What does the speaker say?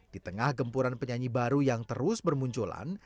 di tengah gempuran penyanyi baru yang terus bermunculan